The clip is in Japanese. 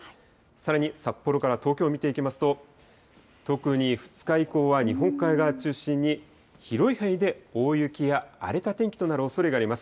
さらに札幌から東京見ていきますと、特に２日以降は日本海側中心に、広い範囲で大雪や荒れた天気となるおそれがあります。